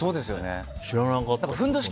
知らなかったです。